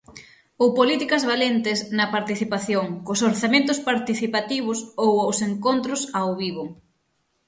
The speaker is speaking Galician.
Ou políticas valentes na participación, cos orzamentos participativos ou os Encontros Ao Vivo.